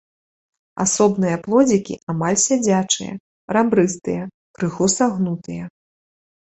Асобныя плодзікі амаль сядзячыя, рабрыстыя, крыху сагнутыя.